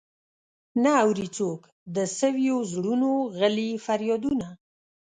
نه اوري څوک د سويو زړونو غلي فريادونه.